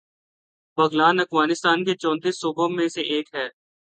بغلان افغانستان کے چونتیس صوبوں میں سے ایک ہے